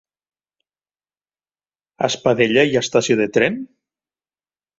A Espadella hi ha estació de tren?